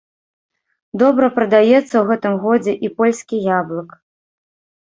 Добра прадаецца ў гэтым годзе і польскі яблык.